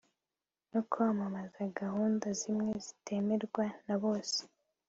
no kwamamaza gahunda zimwe zitemerwa na bose